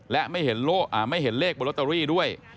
และไม่เห็นเลขบนลอตเตอรี่ด้วย